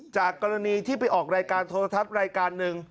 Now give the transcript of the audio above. จากกรณีที่ไปออกรายการโทรทัศน์รายการหนึ่ง